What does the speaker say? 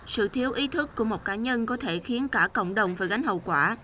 sự thiếu ý thức của một cá nhân có thể khiến cả cộng đồng phải gánh hậu quả